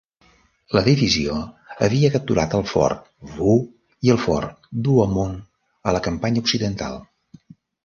La divisió havia capturat el fort Vaux i el fort Douaumont a la campanya occidental.